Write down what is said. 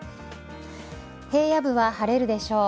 平野部は晴れるでしょう。